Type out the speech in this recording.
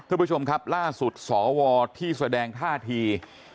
คุณผู้ชมครับล่าสุดสวที่แสดงท่าที